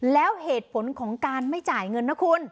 แล้วเหตุผลของการไม่จ่ายเงินนะคุณ